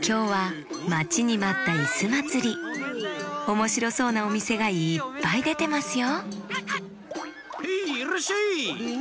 おもしろそうなおみせがいっぱいでてますよヘイ！